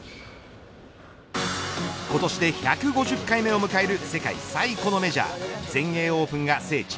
今年で１５０回目を迎える世界最古のメジャー全英オープンが聖地